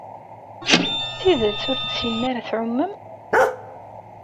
D tidet ur tessinem ara ad tɛumem?